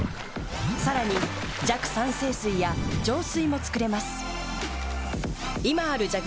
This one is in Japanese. さらに弱酸性水や浄水も作れます。